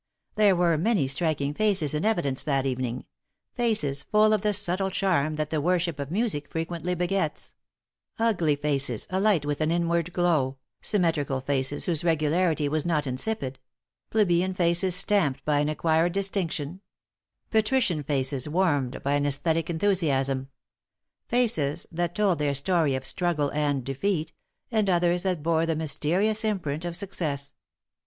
There were many striking faces in evidence that evening, faces full of the subtle charm that the worship of music frequently begets; ugly faces alight with an inward glow, symmetrical faces whose regularity was not insipid; plebeian faces stamped by an acquired distinction; patrician faces warmed by an esthetic enthusiasm; faces that told their story of struggle and defeat, and others that bore the mysterious imprint of success.